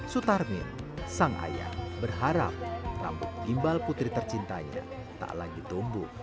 sutarmin sang ayah berharap rambut gimbal putri tercintanya tak lagi tumbuh